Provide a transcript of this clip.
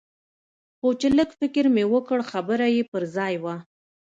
خو چې لږ فکر مې وکړ خبره يې پر ځاى وه.